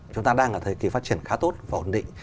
chúng ta đang ở thời kỳ phát triển khá tốt và ổn định